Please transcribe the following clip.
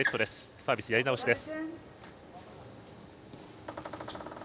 サービスやり直しです。